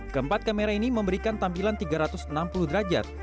keempat kamera ini memberikan tampilan tiga ratus enam puluh derajat